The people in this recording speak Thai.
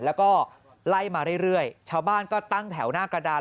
แล้วก็ไล่มาเรื่อยชาวบ้านก็ตั้งแถวหน้ากระดาน